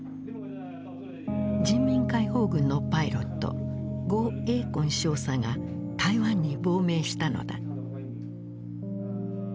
人民解放軍のパイロット呉栄根少佐が台湾に亡命したのだ。